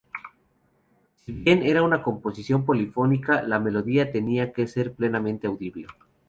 Si bien era una composición polifónica, la melodía tenía que ser plenamente audible.